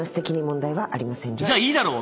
じゃあいいだろ！